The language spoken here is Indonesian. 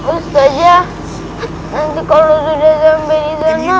ustadzah nanti kalau sudah sampai di sana